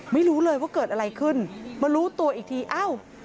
ไม่รู้เลยว่าเกิดอะไรขึ้นมารู้ตัวอีกทีอ้าว